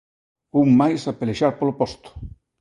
Un máis a pelexar polo posto.